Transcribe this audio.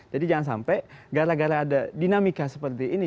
jadi jangan sampai gara gara ada dinamika seperti ini